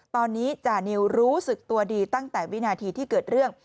ตอนนี้จานิวรู้สึกตัวดีตั้งแต่วินาทีที่เกิดเรื่อง